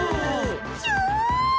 ちゅ！